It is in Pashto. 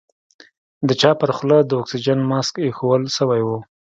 د چا پر خوله د اکسيجن ماسک ايښوول سوى و.